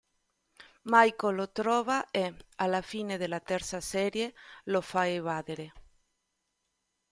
Michael lo trova e, alla fine della terza serie, lo fa evadere.